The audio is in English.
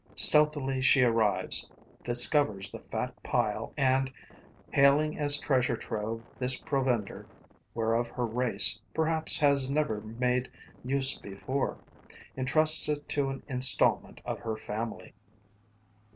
Stealthily she arrives, discovers the fat pile and, hailing as treasure trove this provender whereof her race perhaps has never made use before, entrusts to it an installment of her family.